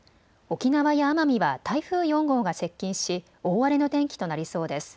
沖縄や奄美は台風４号が接近し大荒れの天気となりそうです。